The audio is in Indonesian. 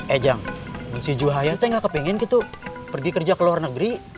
eh jang si juhaya tuh nggak kepengen gitu pergi kerja ke luar negeri